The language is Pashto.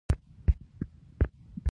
ټکنالوجي د زدهکړې نوي لارې پرانستې دي.